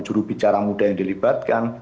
jurubicara muda yang dilibatkan